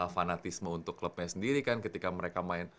fanatisme untuk klubnya sendiri kan ketika mereka main